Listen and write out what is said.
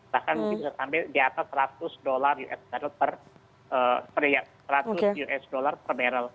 bahkan bisa sampai di atas seratus usd per barrel